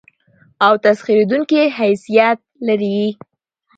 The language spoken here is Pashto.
او تسخېرېدونکى حيثيت لري.